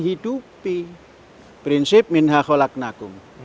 hidupi prinsip min haqo laknakum